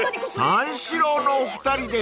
［三四郎のお二人でしたか］